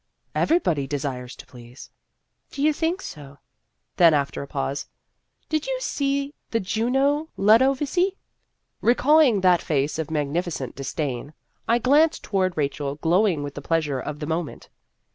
" Everybody desires to please." Heroic Treatment 93 " Do you think so ?" Then after a pause, " Did you ever see the Juno Ludovisi?" Recalling that face of magnificent dis dain, I glanced toward Rachel glowing with the pleasure of the moment.